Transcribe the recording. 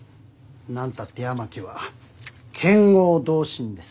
何たって八巻は剣豪同心です。